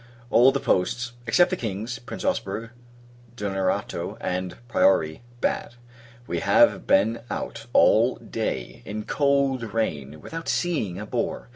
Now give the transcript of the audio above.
All the posts except the King's, Prince Ausberg, D'Onerato, and Priori bad. We have been out all day, in cold rain, without seeing a boar.